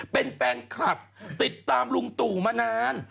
เป็นแฟนคลับติดตามลุงตู่มานาน